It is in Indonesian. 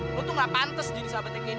lo tuh gak pantes jadi sahabatnya candy